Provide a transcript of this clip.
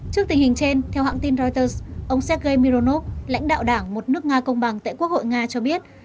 trước tình hình trên theo hãng tin reuters ông sergei mironov lãnh đạo đảng một nước nga công bằng tại quốc hội nga cho biết